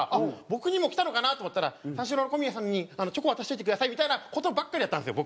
僕にも来たのかなと思ったら「三四郎の小宮さんにチョコ渡しといてください」みたいな事ばっかりだったんですよ